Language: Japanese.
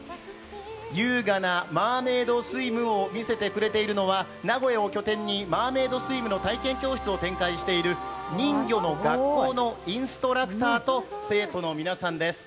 優雅なマーメイドスイムを見せてくれているのは、名古屋を拠点にマーメイドスイムの体験教室を開いている人魚の学校のインストラクターと生徒の皆さんです。